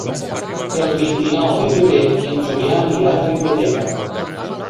El vint-i-nou de febrer en Julià anirà a la biblioteca.